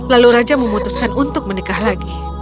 lalu raja memutuskan untuk menikah lagi